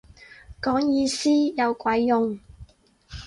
講意思有鬼用